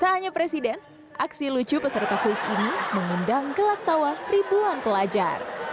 tak hanya presiden aksi lucu peserta kuis ini mengundang gelak tawa ribuan pelajar